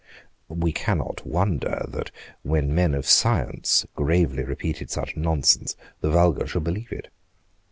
We cannot wonder that, when men of science gravely repeated such nonsense, the vulgar should believe it.